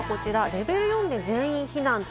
レベル４で全員避難。